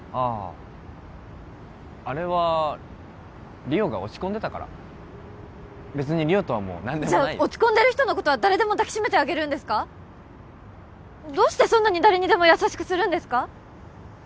ああれは理緒が落ち込んでたから別に理緒とはもう何でもじゃあ落ち込んでる人のことは誰でも抱きしめてあげるんですかどうしてそんなに誰にでも優しくするんですか？